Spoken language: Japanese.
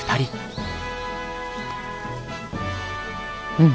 うん！